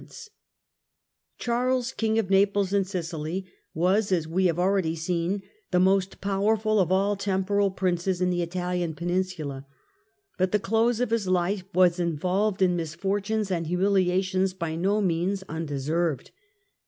Charles of Charles King of Naples and Sicily w'as as we have Khig^of the already seen, the most powerful of all temporal Princes two Sicilies J ^^ |.j^g Itahan Peninsula; but the close of his life was involved in misfortunes and humiliations by no means undeserved.